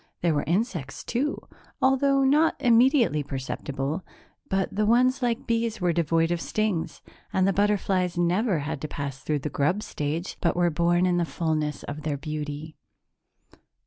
There were insects, too, although not immediately perceptible but the ones like bees were devoid of stings and the butterflies never had to pass through the grub stage but were born in the fullness of their beauty.